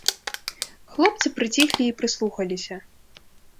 Хлопцы прыціхлі і прыслухаліся.